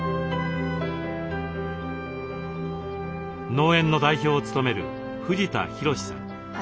農園の代表を務める藤田博司さん。